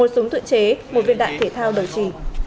một súng tự chế một viên đạn thể thao đổi trì